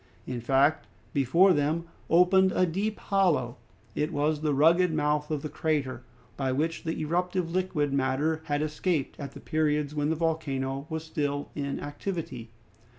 In fact, before them opened a deep hollow. It was the rugged mouth of the crater, by which the eruptive liquid matter had escaped at the periods when the volcano was still in activity.